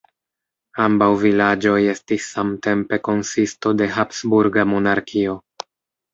Ambaŭ vilaĝoj estis samtempe konsisto de Habsburga monarkio.